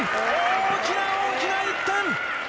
大きな大きな１点！